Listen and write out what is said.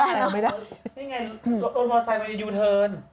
ตัว๕๓มันสรุปทะเว๑๑๐